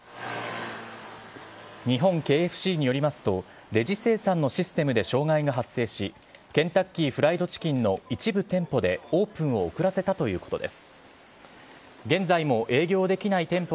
日本ＫＦＣによりますと、レジ精算のシステムで障害が発生し、ケンタッキー・フライド・チキンの一部店舗でオープンを遅らせたということです。